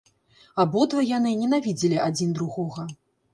Абодва яны ненавідзелі адзін другога.